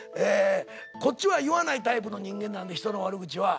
こっちは言わないタイプの人間なんで人の悪口は。